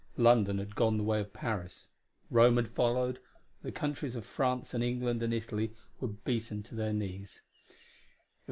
London had gone the way of Paris; Rome had followed; the countries of France and England and Italy were beaten to their knees.